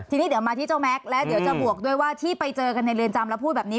ทีนี้เดี๋ยวมาที่เจ้าแม็กซ์แล้วเดี๋ยวจะบวกด้วยว่าที่ไปเจอกันในเรือนจำแล้วพูดแบบนี้